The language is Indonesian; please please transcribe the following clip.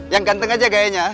yang ganteng aja gayanya